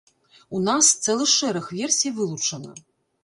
У нас цэлы шэраг версій вылучана.